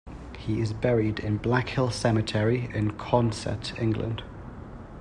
He is buried in Blackhill cemetery in Consett, England.